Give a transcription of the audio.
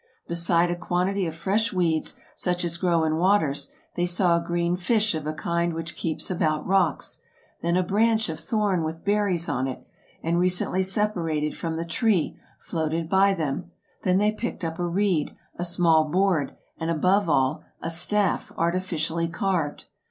Beside a quantity of fresh weeds, such as grow in rivers, they saw a green fish of a kind which keeps about rocks ; then a branch of thorn with berries on it and recently separated from the tree, floated by them; then they picked up a reed, a small board, and, above all, a staff artificially carved.